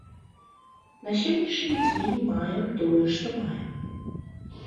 На сённяшні дзень маем тое, што маем.